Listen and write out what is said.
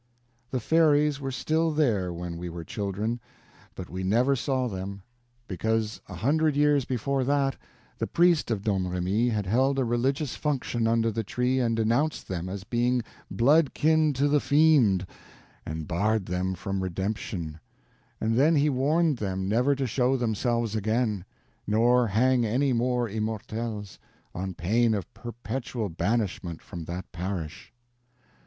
The fairies were still there when we were children, but we never saw them; because, a hundred years before that, the priest of Domremy had held a religious function under the tree and denounced them as being blood kin to the Fiend and barred them from redemption; and then he warned them never to show themselves again, nor hang any more immortelles, on pain of perpetual banishment from that parish.